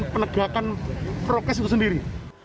penegakan prokes itu sendiri